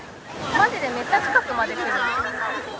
まじでめっちゃ近くまで来る。